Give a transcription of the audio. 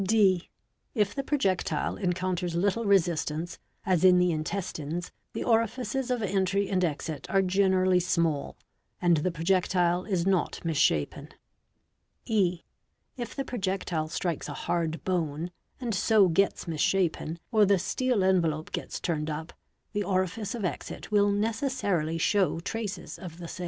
| (d) If the projectile encounters little resistance, as in the in testines, the orifices of entry and exit are generally small, and the projectile is not misshapen. . (e) If the projectile strikes a hard bone, and so gets misshapen, ar the steel envelope gets turned up, the orifice of exit will necessarily how traces of the same.